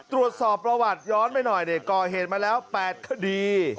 ตรวจสอบประวัติย้อนไปหน่อยก่อเหตุมาแล้ว๘คดี